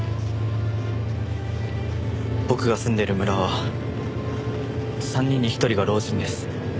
僕が住んでる村は３人に１人が老人です。